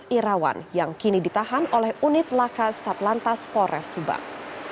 pemimpin bus irawan yang kini ditahan oleh unit lakas satlantas pores subang